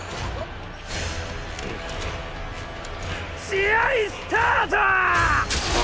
試合スタァトォ！